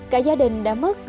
cả gia đình đã mất một tháng